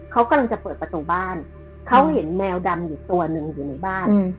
เขากำลังจะเปิดประตูบ้านเขาเห็นแมวดำอยู่ตัวหนึ่งอยู่ในบ้าน